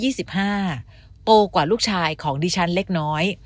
โตกว่าลูกชายของดิฉันเล็กน้อย